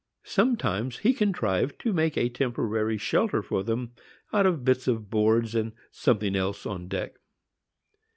Sometimes he contrived to make a temporary shelter for them out of bits of boards, or something else on deck.